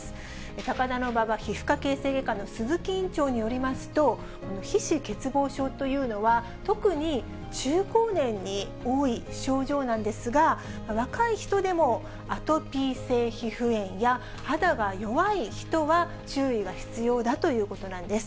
高田馬場皮膚科・形成外科の鈴木院長によりますと、この皮脂欠乏症というのは、特に中高年に多い症状なんですが、若い人でもアトピー性皮膚炎や肌が弱い人は注意が必要だということなんです。